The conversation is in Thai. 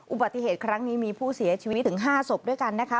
อุบัติเหตุครั้งนี้มีผู้เสียชีวิตถึง๕ศพด้วยกันนะคะ